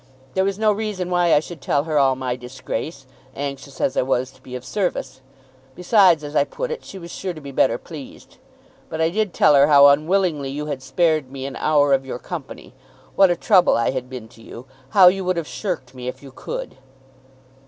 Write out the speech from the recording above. There was no reason why I should tell her all my disgrace, anxious as I was to be of service. Besides, as I put it, she was sure to be better pleased. But I did tell her how unwillingly you had spared me an hour of your company; what a trouble I had been to you; how you would have shirked me if you could!"